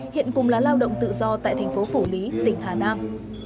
hiện cùng là lao động tự do tại thành phố phủ lý tỉnh hà nam